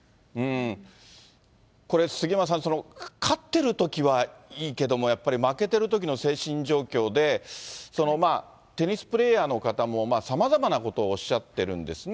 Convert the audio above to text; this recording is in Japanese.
これ、杉山さん、勝ってるときはいいけども、やっぱり負けてるときの精神状況で、テニスプレーヤーの方もさまざまなことをおっしゃってるんですね。